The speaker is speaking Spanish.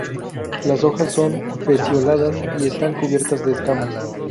Las hojas son pecioladas, y están cubiertas de escamas.